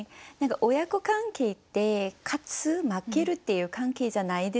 親子関係って勝つ負けるっていう関係じゃないですもんね。